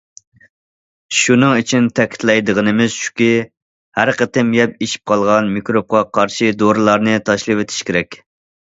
شۇنىڭ ئۈچۈن، تەكىتلەيدىغىنىمىز شۇكى، ھەر قېتىم يەپ ئېشىپ قالغان مىكروبقا قارشى دورىلارنى تاشلىۋېتىش كېرەك.